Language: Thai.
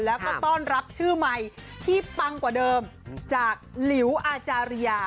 แล้วก็ต้อนรับชื่อใหม่ที่ปังกว่าเดิมจากหลิวอาจารยา